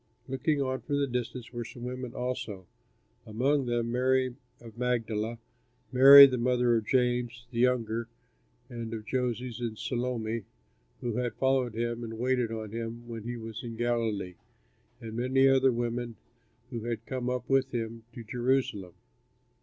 Looking on from a distance were some women also, among them Mary of Magdala, Mary the mother of James, the younger, and of Joses, and Salome, who had followed him and waited on him when he was in Galilee, and many other women who had come up with him to Jerusalem.